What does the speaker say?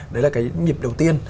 đấy là cái nhịp đầu tiên